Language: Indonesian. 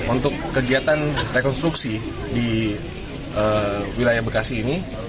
untuk kegiatan rekonstruksi di wilayah bekasi ini